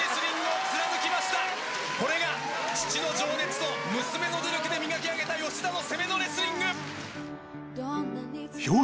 これが父の情熱と娘の努力で磨き上げた吉田の攻めのレスリング！